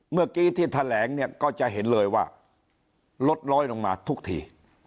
เมื่อกี้ที่แถลงเนี่ยก็จะเห็นเลยว่าลดน้อยลงมาทุกที